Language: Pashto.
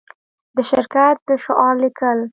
د شرکت د شعار لیکل